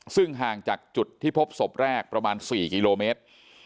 ซึ่งห่างจากจุดที่พบศพแรกประมาณ๔กิโลเมตร